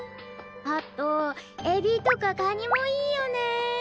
あとエビとかカニもいいよね。